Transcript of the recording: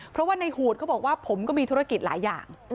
เพราะว่าในหูดเขาบอกว่าผมก็มีธุรกิจหลายอย่าง